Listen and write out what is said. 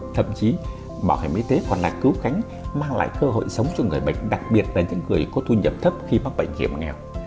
thậm chí bảo hiểm y tế còn là cứu cánh mang lại cơ hội sống cho người bệnh đặc biệt là những người có thu nhập thấp khi mắc bệnh hiểm nghèo